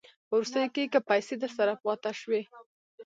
په وروستیو کې که پیسې درسره پاته شوې